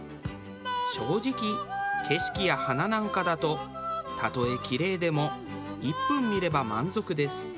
正直景色や花なんかだとたとえキレイでも１分見れば満足です。